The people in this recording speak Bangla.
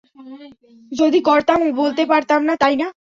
যদি করতামও, বলতে পারতাম না, তাই না?